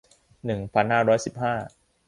หนึ่งพันห้าร้อยสิบห้า